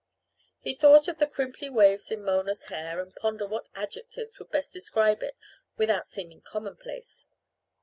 He thought of the crimply waves in Mona's hair, and pondered what adjectives would best describe it without seeming commonplace.